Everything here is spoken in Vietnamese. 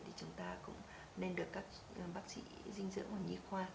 thì chúng ta cũng nên được các bác sĩ dinh dưỡng hoặc nhí khoa